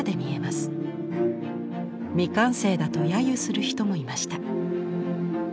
未完成だとやゆする人もいました。